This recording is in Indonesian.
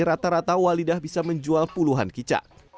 rata rata walidah bisa menjual puluhan kicak